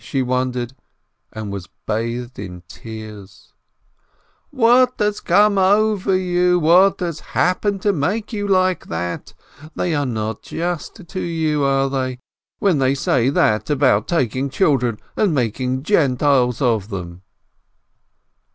she wondered, and was bathed in tears : "What has come over you ? What has happened to make you like that? They are not just to you, are they, when they say that about taking children and making Gentiles of them?"